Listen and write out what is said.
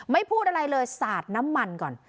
พูดอะไรเลยสาดน้ำมันก่อน